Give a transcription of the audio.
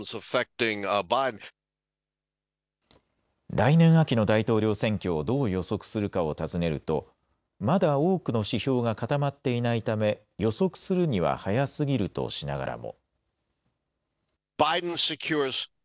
来年秋の大統領選挙をどう予測するかを尋ねるとまだ多くの指標が固まっていないため予測するには早すぎるとしながらも。